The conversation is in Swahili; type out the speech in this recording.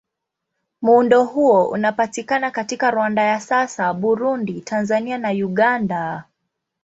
Muundo huo unapatikana katika Rwanda ya sasa, Burundi, Tanzania na Uganda.